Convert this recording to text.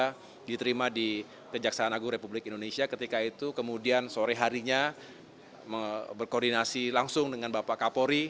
yang diterima di kejaksaan agung republik indonesia ketika itu kemudian sore harinya berkoordinasi langsung dengan bapak kapolri